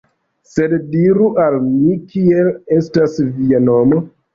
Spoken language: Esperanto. Sed diru al mi, kiel estas via nomo?